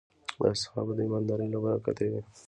د اصحابو د ایماندارۍ له برکته وې.